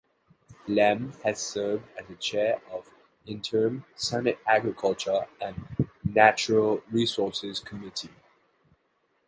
Lemm has served as chair of the interim Senate Agriculture and Natural Resources Committee.